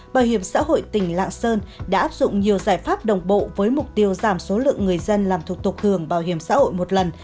bảo hiểm xã hội tỉnh lạng sơn đã áp dụng nhiều giải pháp đồng bộ với mục tiêu giảm số lượng người dân làm thủ tục hưởng bảo hiểm xã hội một lần